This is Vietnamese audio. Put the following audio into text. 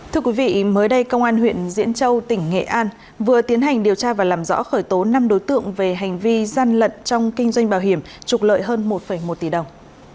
thưa quý vị mới đây công an huyện diễn châu tỉnh nghệ an vừa tiến hành điều tra và làm rõ khởi tố năm đối tượng về hành vi gian lận trong kinh doanh bảo hiểm trục lợi hơn một một tỷ đồng